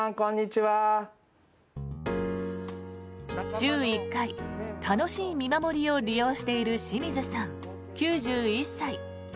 週１回楽しい見守りを利用している清水さん、９１歳。